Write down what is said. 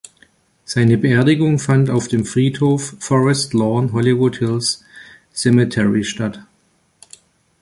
Seine Beerdigung fand auf dem Friedhof Forest Lawn - Hollywood Hills Cemetery statt.